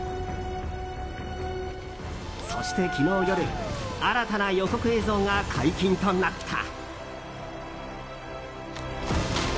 そして昨日夜新たな予告映像が解禁となった。